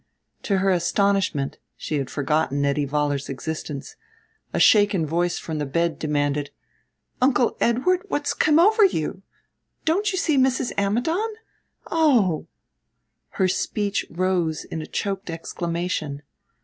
To her astonishment she had forgotten Nettie Vollar's existence a shaken voice from the bed demanded: "Uncle Edward, what's come over you! Don't you see Mrs. Ammidon! Oh " her speech rose in a choked exclamation.